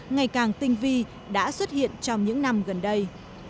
ngày càng tinh vi đã xuất hiện trong những năm gần đây